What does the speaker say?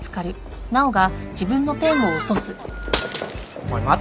おい待て！